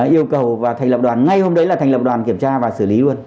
yêu cầu và thành lập đoàn ngay hôm đấy là thành lập đoàn kiểm tra và xử lý luôn